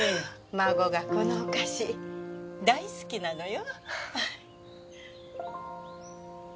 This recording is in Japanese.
孫がこのお菓子大好きなのよ。